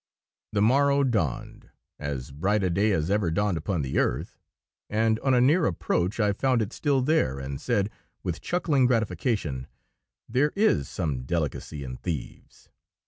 The morrow dawned, as bright a day as ever dawned upon the earth, and on a near approach I found it still there, and said, with chuckling gratification, "There is some delicacy in thieves."